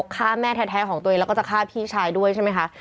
ฆ่าแม่แท้ของตัวเองแล้วก็จะฆ่าพี่ชายด้วยใช่ไหมคะ